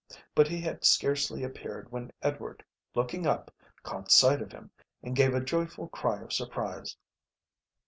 But he had scarcely appeared when Edward, looking up, caught sight of him, and gave a joyful cry of surprise.